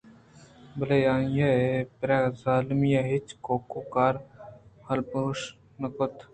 بلے آئی ءَ پرے ظالمی ءَ ہچ کُوکار ءُ ہلبوش نہ کُت